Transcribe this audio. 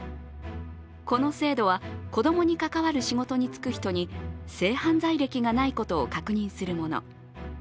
この制度は子供に関わる仕事に就く人に、性犯罪歴がないことを確認するもの。